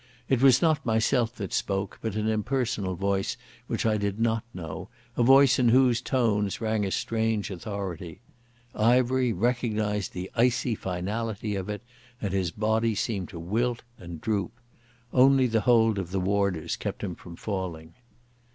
It was not myself that spoke, but an impersonal voice which I did not know, a voice in whose tones rang a strange authority. Ivery recognised the icy finality of it, and his body seemed to wilt, and droop. Only the hold of the warders kept him from falling.